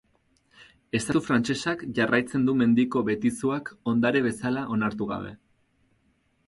Estatu Frantsesak jarraitzen du mendiko betizuak ondare bezala onartu gabe.